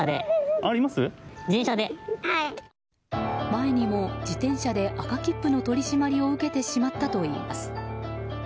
前にも自転車で赤切符の取り締まりを受けてしまったといいます。